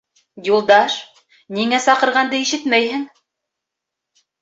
— Юлдаш, ниңә саҡырғанды ишетмәйһең?